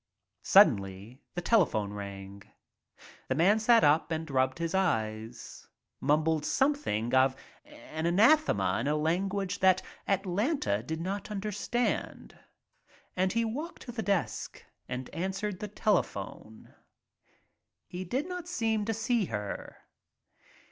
Suddenly the telephone rang. The man sat up and rubbed his eyes, mumbled something of an anathema in a language that Atlanta did not under stand and he walked to the desk and answered the telephone. He did not seem to see her.